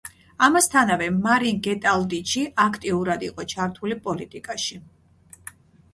ამასთანავე, მარინ გეტალდიჩი, აქტიურად იყო ჩართული პოლიტიკაში.